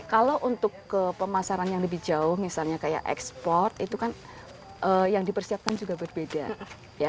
kalau untuk pemasaran yang lebih jauh misalnya kayak ekspor itu kan yang dipersiapkan juga berbeda